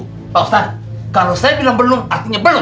pak ustadz kalau saya bilang belum artinya belum